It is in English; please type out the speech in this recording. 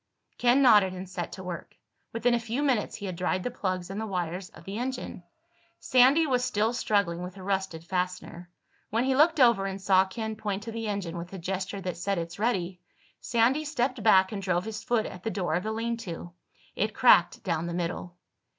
Ken nodded and set to work. Within a few minutes he had dried the plugs and the wires of the engine. Sandy was still struggling with the rusted fastener. When he looked over and saw Ken point to the engine, with a gesture that said "It's ready," Sandy stepped back and drove his foot at the door of the lean to. It cracked down the middle.